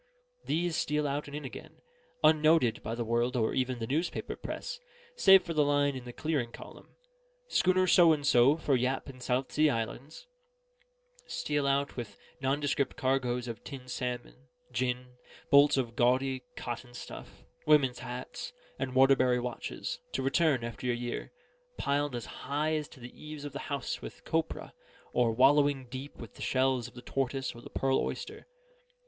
These steal out and in again, unnoted by the world or even the newspaper press, save for the line in the clearing column, "Schooner So and so for Yap and South Sea Islands" steal out with nondescript cargoes of tinned salmon, gin, bolts of gaudy cotton stuff, women's hats, and Waterbury watches, to return, after a year, piled as high as to the eaves of the house with copra, or wallowing deep with the shells of the tortoise or the pearl oyster.